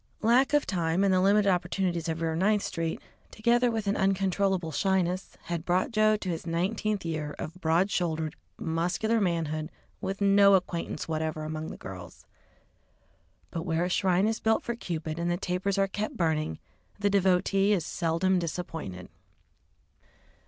Lack of time and the limited opportunities of Rear Ninth Street, together with an uncontrollable shyness, had brought Joe to his nineteenth year of broad shouldered, muscular manhood, with no acquaintance whatever among the girls. But where a shrine is built for Cupid and the tapers are kept burning, the devotee is seldom disappointed.